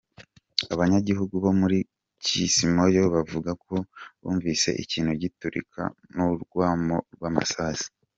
Abanyagihugu bo muri Kismayo bavuga ko bumvise ikintu giturika, n'urwamo rw'amasasu.